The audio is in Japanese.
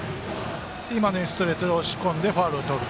そしてストレートで押し込んでファウルをとる。